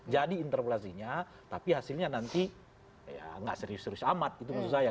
jadi interplasinya tapi hasilnya nanti nggak serius serius amat gitu menurut saya